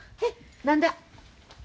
何だ？